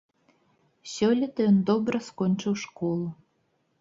Сёлета ён добра скончыў школу.